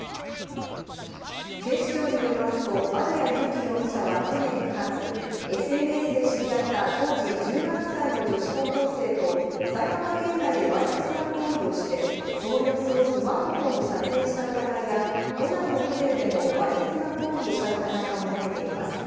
警視庁によりますと丸矢憂紀容疑者は去年９月、ＳＮＳで知り合った当時１７歳の女子高校生と埼玉県内でわいせつな行為をして、その様子をスマートフォンで撮影した疑いや、都内のホテルでもわいせつな行為をした疑いがもたれています。